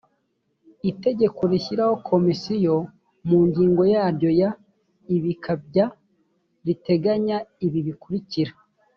itegeko rishyiraho komisiyo mu ngingo yaryo ya ibika bya riteganya ibi bikurikira